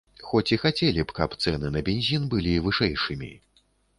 Хоць і хацелі б, каб цэны на бензін былі вышэйшымі.